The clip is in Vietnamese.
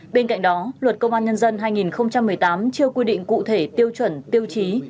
bên cạnh đó luật công an nhân dân hai nghìn một mươi tám chưa quy định cụ thể tiêu chuẩn tiêu chí